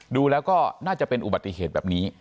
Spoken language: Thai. ดูแล้วก็น่าจะเป็นอุบัติเหตุแบบนี้